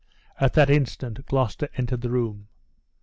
At that instant Gloucester entered the room.